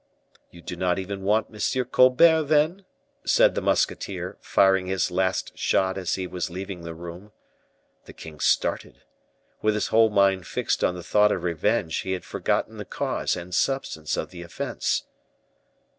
"You do not even want M. Colbert, then?" said the musketeer, firing his last shot as he was leaving the room. The king started. With his whole mind fixed on the thought of revenge, he had forgotten the cause and substance of the offense.